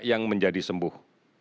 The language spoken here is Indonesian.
yang menjadi sembuh